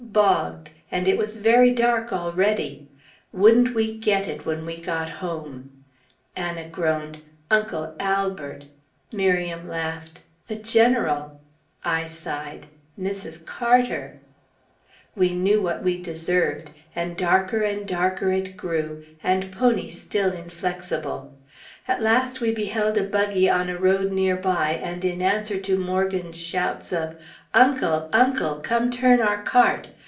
Bogged, and it was very dark already! Wouldn't we get it when we got home! Anna groaned, "Uncle Albert!" Miriam laughed, "the General!" I sighed, "Mrs. Carter!" We knew what we deserved; and darker and darker it grew, and pony still inflexible! At last we beheld a buggy on a road near by and in answer to Morgan's shouts of "Uncle! Uncle! come turn our cart!"